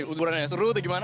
huburannya seru atau gimana